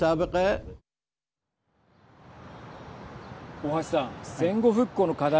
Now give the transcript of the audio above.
大橋さん、戦後復興の課題